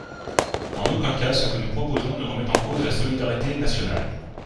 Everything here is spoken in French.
En aucun cas ce que nous proposons ne remet en cause la solidarité nationale.